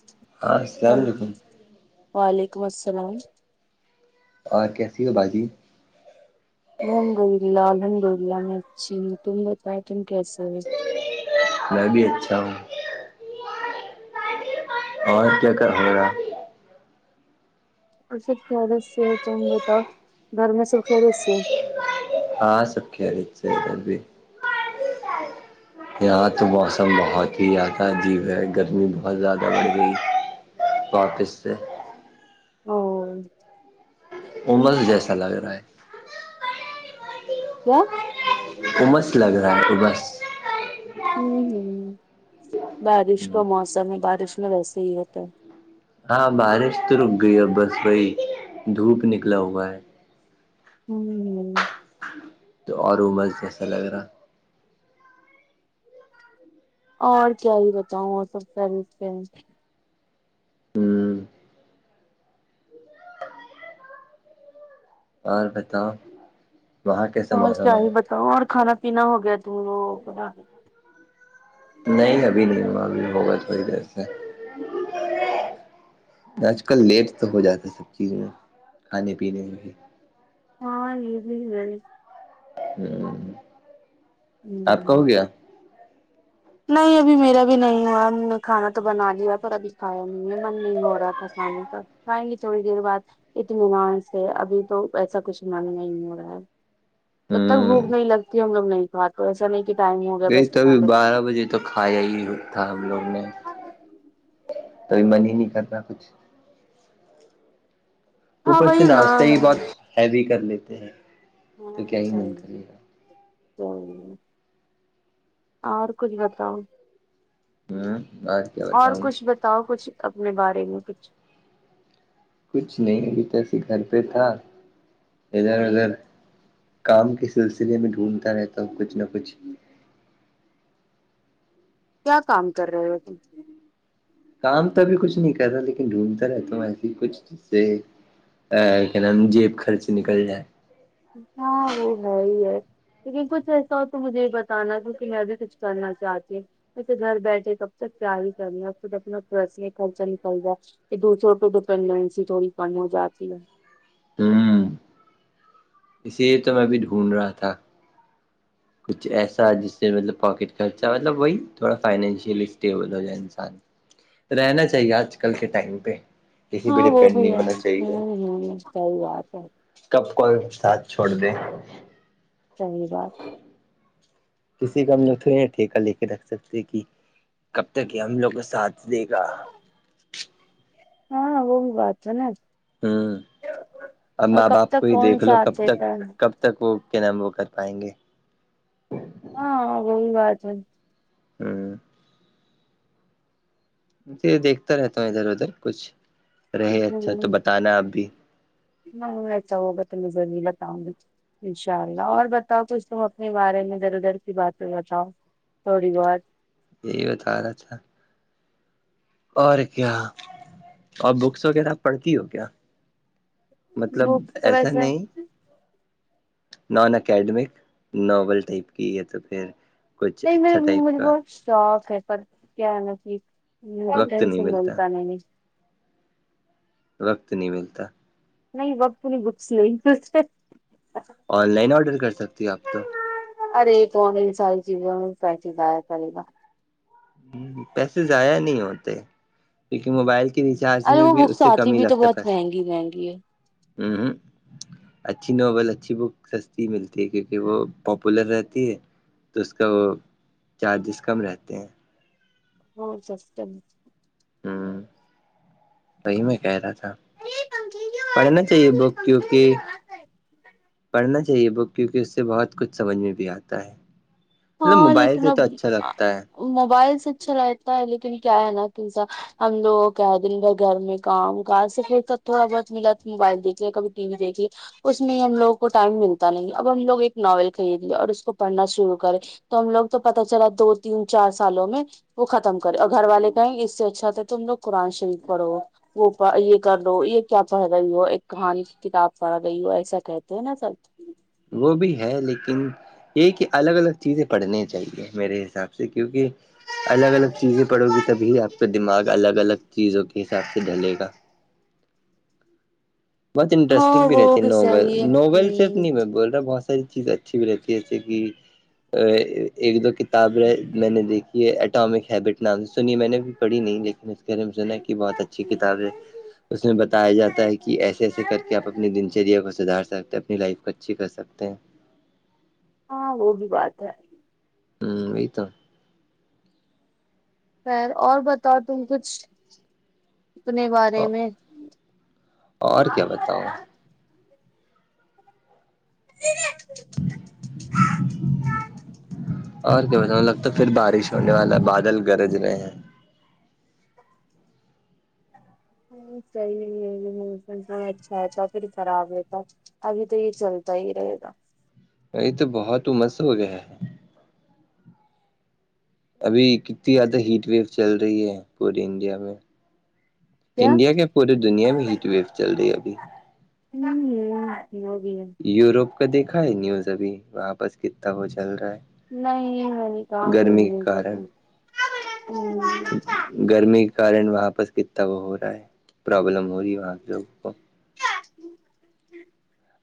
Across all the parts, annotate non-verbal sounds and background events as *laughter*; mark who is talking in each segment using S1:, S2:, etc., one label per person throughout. S1: *inaudible*
S2: ہاں السام
S1: ہل
S2: علیکم
S1: وعلیکم السلام
S2: اور کیسی ہو باجی
S1: ہ گلہ اللہحندلہ مچ تما پائٹن کیس ہے
S2: میں بھی اچھا ہوں اور کیا ہوگا
S1: پصچد سے چب تھا دھرم سوچد سے
S2: ہاں سکھی ری سے بھی یہاں تو موسم بہت ہی زیادہ عجیب ہے گرمی بہت زیادہ بڑھ گئی بات اس سے
S1: ہ
S2: عمر جیسا لگ رہا ہے
S1: کیا
S2: عمس لگ رہا ہےبس
S1: ہوں ہ بارش کا
S2: ہوں
S1: موسم ہے بارش میں ویسے ہی ہوتا ہے
S2: ہاں بارش تو رک گئی اب بس وہی دھوپ نکلا ہوا ہے
S1: ہوں
S2: تو اور وہ مر جیسا لگ رہا
S1: اور کیا ہی بتاؤں اور سب س
S2: ہوں اور بتاؤ وہاں کیسا
S1: ہاں
S2: موسم ہے
S1: چاہی بتاؤ اور کھانا پینا ہو گیا تم وہ
S2: نہیں ابھی نہیں وہ ابھی ہوگا تھوڑی دیر سے آج کل لیٹ تو ہو جاتا ہے سب چیز میں کھانے پینے میں بھی
S1: ہاں یہ بھی گانی
S2: ہ آپ کا
S1: ہوں
S2: ہو گیا
S1: نہیں ابھی میرا بھی نہیں ہوا ہم نے کھانا تو بنا لیاا پر ابھی کھایا نہیں ہے من نہیں ہو رہا تھا یں تھوڑی دیر بعد اتنے مان سے ابھی تو ایسا کچھ مان نہیں ہو رہا ہے جب تک
S2: ہ
S1: بھوک نہیں لگتی ہم لگ نہیں کھا تو ایسا نہیں کہ ٹائم ہو گیا
S2: گئی
S1: بس
S2: تو ابھی
S1: کھان میں
S2: بارہ بجے تو کھایا ہی تھا ہم لوگ نے کبھی من ہی نہیں کرنا کچھ
S1: ہاں
S2: اوپر سے
S1: وہی نا
S2: ناشتہ یہ بات ہیوی کر لیتے ہیں تو
S1: ہاں
S2: کیا
S1: س
S2: ہی من کرے گا
S1: سئی اور کچھ بتاؤ
S2: ہوں ب
S1: اور کچھ بتاؤ کچھ اپنے بارے میں کچھ
S2: کچھ نہیں ابھی تسے گھر پہ تھا ادھر ادھر
S1: کیا
S2: کام کے سلسلے میں ڈھونڈتا رہتا ہوں کچھ نہ کچھ
S1: کیا کام کر رہے ہو تم
S2: کام تو ابھی کچھ نہیں کر رہا لیکن ڈھونڈتا رہتا ہوں ایسی کچھ سے ا کیا نام جیب خرچ نکل جائے
S1: ہاں وہ ہے ہی ہے لیکن کچھ ایسا ہو تو مجھے یہ بتانا کیونکہ میں ابھی کچھ کرنا چاہتی ہوں وسے گھر بیٹھے کب تک پیار ہی کرنا ہے اب ت اپنا فسے خرچہ نکل جائے کہ دوسروں پہ ڈیپینڈینسی تھوڑی کم ہو جاتی ہے
S2: تو اسی لیے تو میں بھیھی ڈھونڈ رہا تھا کچھ ایسا جس سے مطلب پاکٹ خرچہ مطلب وہی تھوڑا فائنینشلی اسٹیبل ہو جائے انسان رہنا چاہیے آج کل کے ٹائم پہ کسی بھی
S1: ہاں وہ
S2: ڈپینڈ نہیں
S1: ہے
S2: ہونا چاہیے
S1: ہوں ہوں صحیح بات ہے
S2: کب کوئی ساتھ چھوڑ د
S1: صحی بات ہے
S2: کسی کا ہم ل ٹھیکا لے کے رکھ سکتے کہ کب تک یہ ہم لوگ کو ساتھ دے گا
S1: ہاں ہگ باتن ات
S2: ہوں اب باپ کو
S1: تک
S2: یہ
S1: کون
S2: دیکھ لو کب
S1: ساتھ
S2: تک
S1: دیتا ہے
S2: کب تک وہ کیا نام وہ کر پائیں گے
S1: ہاں ب بن *unintelligible*
S2: ھمم یہ دیکھتا رہتا ادھر ادھر کچھ رہے اچھا تو بتانا ہے اب بھی
S1: ہ چا ہوگت مزولہ تؤ انشاء اللہ اور بتاؤ کچھ تم اپنے بارے میں دھر ادھر س باتیں بتاؤ تھوڑی بہت
S2: یہی بت رہا اھا اور کیا اور بکس وغیریرپ پڑھتی ہو کیا مطلب
S1: بکس تو
S2: ایسا
S1: ویسے
S2: نہیں نان اکیڈمک ناول ٹائپ کی ہے تو پھر کچھ
S1: نہیں
S2: اچھا
S1: م
S2: ٹائپ
S1: مجھے
S2: کا
S1: بہت شوق ہے پر کیا ہے ہ
S2: وقت نہیں
S1: فسن
S2: ملتا
S1: بولتا
S2: وقت نہیں ملتا
S1: نہیں وقت نہیں گس نہیں
S2: آن لائن آرڈر کر سکتی ہو آپ تو
S1: ارے فون ساری چیزوں میں پیس زیا کرری گا
S2: ہ پیسے ضائع نہیں ہوتے کیونکہ موبائل ریچارج
S1: ارے
S2: میں
S1: وہ
S2: بھی اس
S1: بکس
S2: سے
S1: آتی
S2: کمی
S1: بھی تو
S2: لگتا
S1: بہت
S2: پیسے
S1: مہنگی مہنگی ہے
S2: ہ اچھی ناول اچھی بک سستی ملتی ہے کیونکہ وہ پاپولر رہتی ہے تو اس کا وہ چارجز کم رہتے ہیں
S1: *unintelligible* ہاں سس
S2: ہوں توی میں کہہ رہا تھا پڑھنا چاہیے بک کیونکہ پڑھنا یہ بک کیونکہ اس سے بہت کچھ سمجھ میں بھی آتا ہے مطلب
S1: ہاں
S2: موبائل
S1: لیکن
S2: سے
S1: اب
S2: تو اچھا لگتا ہے
S1: موبائل سے اچھا رہتا ہے لیکن کیا ہے نا کہ سا ہم لوگ کیا دن بھر گھر میں کام کاار سے پھر تو تھوڑا بہت ملا موبائل دیکھ لے کبھی ٹی وی دیکھیے اس میں ہی ہم لوگوں کو ٹائم ملتا نہیں اب ہم لوگ ایک ناول خریدیے اور اس کو پڑھنا شروع کریں تو ہم لوگ تو پتا چلا دو تین چار سالوں میں وہ ختم کرے اور گھر والے کہیں اس سے اچھا تھا تم لوگ قرآن شریف پڑھو وہ یہ کر لو یہ کیا پڑھ رہی ہو ایک کہانی کتاب پڑھ رہی ہو ایسا کہتے ہیں نا سر
S2: وہ بھی ہے لیکن یہ کہ الگ الگ چیزیں پڑھنے چاہیے میرے حساب سے ج کیونکہ *unintelligible* الگ الگ چیزیں پڑو گی تبھی آپ کا دماغ الگ الگ چیزوں کے حساب سے ڈھلے گا بہت انٹرسٹنگ
S1: ہاں
S2: بھی
S1: وہ
S2: رہتی ہے ناول
S1: صحیح
S2: ناول
S1: ہے
S2: صرف
S1: ہ
S2: نہیں میں بول رہا بہت ساری چیزیں اچھی بھی رہتی ہے ایسے کہ ایک دو کتاب ہے میں نے دیکھی ہے اٹامک ہیبٹ نام سے سنی میں نے پڑھی نہیں لیکن اس بارے میں سنا کہ بہت اچھی کتاب ہے اس میں بتایا جاتا ہے کہ ایسے ایسے کر کے آپ اپنی دنچریا کو سدھار سکتے ہیں اپنی لائف کو اچھی کر سکتے ہیں
S1: ہاں وہ بھی بات ہے
S2: ہوں یہ تو
S1: خیر اور بتاؤ تم کچھ اپنے بارے میں
S2: اور کیا بتاؤ
S1: ج
S2: *unintelligible* اور کیا بیں لگتا پھر بارش ہونے والا بادل گرج رہے ہیں
S1: صحیح ہے موسم اچھا ہےتا پھر خراب رہتا ابھی تو یہیر چلتا ہے ہیر توا
S2: ا تو بہت عمس ہو گیا ہے ابھی کتنی زیادہ ہیٹ ویو چل رہی ہے پورے انڈیا میں
S1: کیا
S2: انڈیا کے پوری دنیا میں ہیٹ ویو چل رہی ہے ابھی
S1: ہ ہووگی
S2: یوروپ کا دیکھا ہے نیوز ابھی وہاں بس کتنا وہ چل رہا ہے
S1: نہیں میں نہیں کہا
S2: گرمی کے کارن
S1: تو
S2: گرمی کے کارن وہاں پرس کتنا وہ ہو رہا ہے پرابلم ہو رہی ہے وہاں لوگوں کو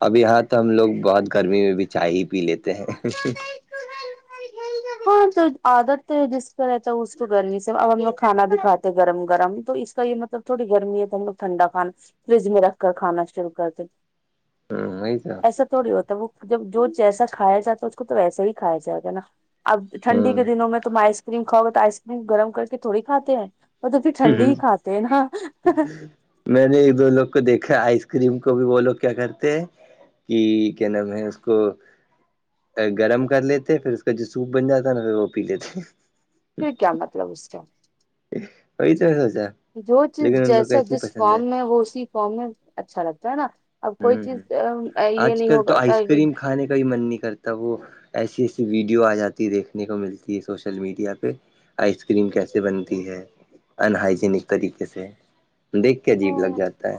S2: اب یہاں تو ہم لوگ بہت گرمی میں بھی چائے ہی پی لیتے ہیں
S1: ہاں تو عادت ہے جس کا رہتا ہے اس کو گرمی سے اب ہم لوگ کھانا بھی کھاتے گرم گرم تو اس کا یہ مطلب تھوڑی گرمی ہے تو ہم لوگ ٹھنڈا کھانا فریج میں رکھ کر کھانا شرو کرتے
S2: ہوں آتا
S1: ایسا تھوڑی ہوتا ہے وہ جب جو جیسا کایا جاتا ہے اس کو تو ویسا ہی کھایا جائے گا نا اب ٹھنڈی
S2: ہوں
S1: کے دنوں میں تم آئس کریم کاؤ گے تو آئس کریم گرم کر کے تھوڑی کھاتے ہیں وہ توببھر ٹھنڈی ہی کھاتے ہیں نا
S2: میں نے ایک دو لوگ کو دیکھا آئس کریم کو بھی وہ لوگ کیا کرتے ہیں کہ کیا نام ہے اس کو گرم کر لیتے پھر اس کا جو سوپ بن جاتا ہے نا پھر وہ پی لیتے
S1: پھر کیا مطلب اس کا
S2: وئی چسوچا
S1: جو چیز جیسا جس فارم میں ہو اسی فارم میں اچھا لگتا ہے نا اب کوئی
S2: ہوں ہ
S1: چیز یہ
S2: آج
S1: نہیں
S2: کل
S1: ہو
S2: تو آئس
S1: پاتا بھی
S2: کریم کھانے کا بھی من نہیں کرتا تب وہ ایسی ایسی ویڈیو آ جاتی ہے دیکھنے کو ملتی ہے سوشل میڈیا پہ آئس کریم کیسے بنتی ہے ان ہائجینک طریقے سے دیکھ کے عجیب لگ جاتا ہے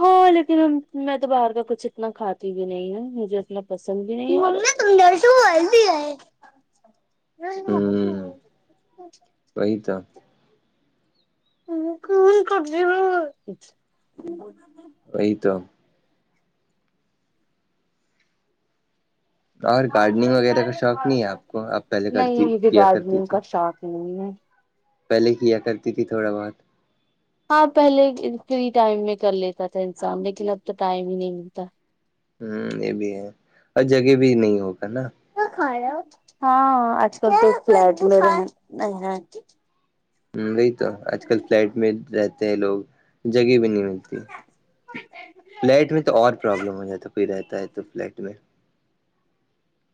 S1: ہاں لیکن ہم میں تو باہر کا کچھ اتنا کھاتی بھی نہیں ہ مجھے اتنا پسند بھی نہیں ہے تہ ش والل بھی ہے
S2: ہاں
S1: ہ
S2: بہ تھا
S1: کون کرج ہ
S2: وہی تو اور گارڈننگ وغیرہ کا شوق نہیں ہے آپ کو آپ پہلے
S1: نہیں
S2: کرتی
S1: مجھے
S2: کیا کرتی
S1: گارڈننگ
S2: تھی
S1: کا شوق نہیں ہے
S2: پہلے کیا کرتی تھی تھوڑا بہت
S1: ہاں پہلے فری ٹائم میں کر لیتا تھا انسان لیکن اب تو ٹائم ہی نہیں ملتا
S2: ہ یہ بھی ہے اور جگہ بھی نہیں ہوگا نا
S1: کھیا ہاں آج کل تو فٹ میں
S2: وہی تو آج کل فلیٹ میں رہتے ہیں لوگ جگہ بھی نہیں ملتی فلیٹ میں تو اور پرابلم ہو جاتا کوئی رہتا ہے تو فلیٹ میں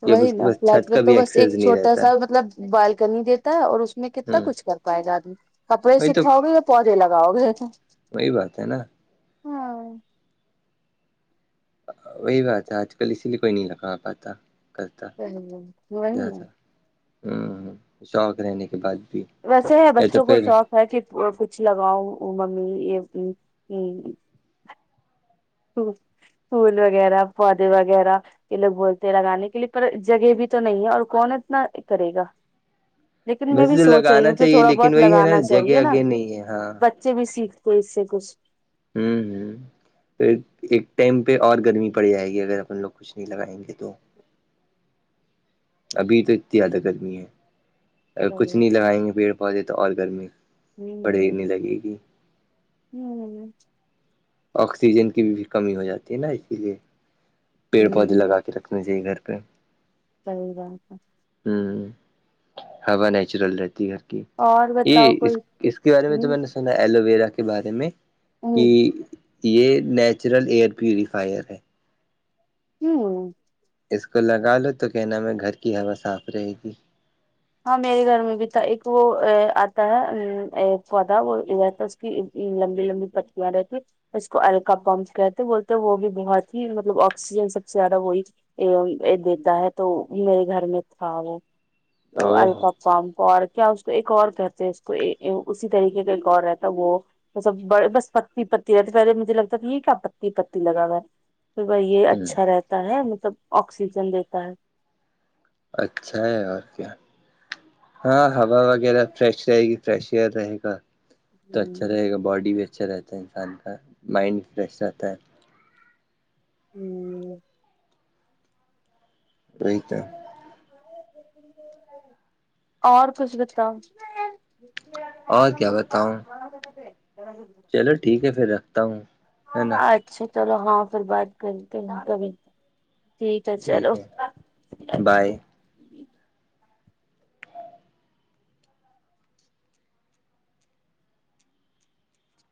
S2: جب
S1: وہی
S2: اس کے
S1: نا
S2: پاس
S1: فلیٹ
S2: چھت
S1: میں
S2: کا
S1: تو
S2: بھی
S1: بس ایک
S2: ایکسیس نہیں
S1: چھوٹا
S2: رہتا
S1: سا مطلب بالکنی دیتا ہے اور اس میں کتنا
S2: ہوں
S1: کچھ کر پائے گا آدمی کپڑے
S2: وہی تو
S1: سکھاؤ گے پودے لگاؤ گے
S2: وہی بات ہے نا
S1: ہاں
S2: وہی بات ہے آج کل اسی لیے کوئی نہیں لگا پاتا کرتا
S1: وہی نا
S2: زیادہ شوق رہنے کے بعد بھی
S1: ویسے ہے
S2: یا تو
S1: بچوں کو
S2: پھر
S1: شوق ہے کہ کچھ لگاؤ ممی یہ پھول وغیرہ پودے وغیرہ یہ لوگ بولتے ہیں لگانے کے لیے پر جگہ بھی تو نہیں ہے اور کون اتنا کرے گا لیکن میں
S2: ویسے
S1: بھی
S2: تو
S1: سوچ رہی
S2: لگانا
S1: ہوں کہ
S2: چاہیے
S1: تھوڑا
S2: لیکن
S1: بہت
S2: وہی ہے نا جگہ اگے نہیں ہے ہاں
S1: چے بھی سیکھتے اس سے کچھ
S2: ہوں ہ پھر ایک ٹائم پہ اور گرمی پڑ جائے گی اگر اپن لوگ کچھ نہیں لگائیں گے تو ابھی تو اتنی زیادہ گرمی ہے ا
S1: ہوں
S2: کچھ نہیں لگائیں گے پیڑ پودے تو اور گرمی پڑنے لگے گی
S1: ہمم‌ہمم
S2: آکسیجن کی بھی بھی کمی ہو جاتی ہے نا اسی لیے پیڑ پودے
S1: ہوں
S2: لگا کے رکھنی چاہیے گھر پہ
S1: صحی بات
S2: ہوں ہوا نیچرل رہتی ہےھر
S1: اور
S2: یہ
S1: بتاؤ
S2: اس
S1: کوئی
S2: اس کے بارے میں تو
S1: ہوں
S2: میں نے ایلو ویرا کے بارے میں کہ
S1: ہوں
S2: یہ نیچرل ایئر پیوریفائر ہے
S1: ہمم
S2: اس کو لگا لو تو کہ نام ہے گھر کی ہوا صاف رہے گی
S1: ہاں میرے گھر میں بھی تھا ایک وہ آتا ہے پودا وہتا لمبی لمبی پتیاں رہتی اس کو الکاپام جو کہتے بولتے ہیں وہ بھی بہت ہی مطلب آکسیجن سب سے زیادہ وہی دیتا ہے تو میرے گھر میں تھا وہ
S2: او ہو
S1: الفا فام کو اور کیا اس کو ایک اور کہتے ہیں اس کو اسی طریقے کا ایک اور رہتا ہے وہ مطسب بڑے بس پتی پتی رہتی پہے مجھے لگتا تھا یہ کیا پتی پتی لگا ہوا ہے تو بھائی یہ
S2: ہ
S1: اچھا رہتا ہے مطلب آکسیجن دیتا ہے
S2: اچھا ہے اور کیا ہاں ہوا وغیرہ فریش رہے گی فریش ایئر رہے گا تو اچھا رہے گا باڈی بھی اچھا رہتا ہے انسان کا مائنڈ فریش رہتا ہے
S1: ہمم
S2: وہی تو
S1: اور کچھ بتا *inaudible*
S2: اور کیا بتاؤں چلو ٹھیک ہے پھر رکھتا ہوں ہے نا
S1: اچھا چلو ہاں پھر بات کر کے ٹھیک ہے چلو
S2: بائے